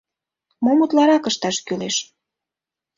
Мом утларак ышташ кӱлеш?